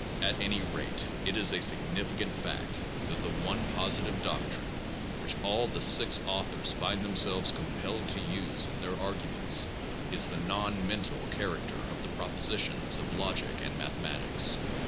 At any rate, it is a significant fact that the one positive doctrine which all the six authors find themselves compelled to use in their arguments, is the non mental character of the propositions of logic and mathematics.